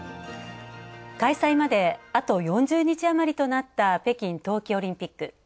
開催まで、あと４０日余りとなった北京冬季オリンピック。